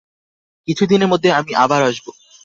কিছুদিনের মধ্যে আমি আবার আসব।